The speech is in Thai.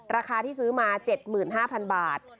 ราคาที่ซื้อมา๗๕๐๐๐บาท